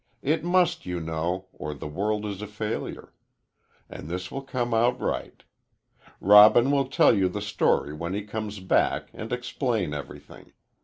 It must, you know, or the world is a failure. And this will come out right. Robin will tell you the story when he comes back, and explain everything.